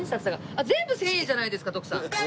あっ全部千円じゃないですか徳さん！